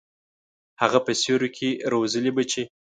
هغه په سیوري کي روزلي بچي